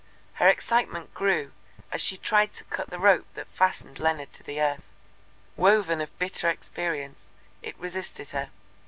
Her excitement grew as she tried to cut the rope that fastened Leonard to the earth. Woven of bitter experience, it resisted her.